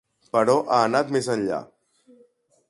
Però ha anat més enllà.